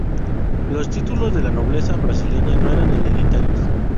Los títulos de la nobleza brasileña no eran hereditarios.